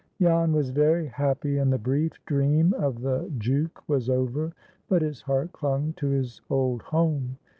JAN was very happy, and the brief dream of the "jook" was over, but his heart clung to his old home.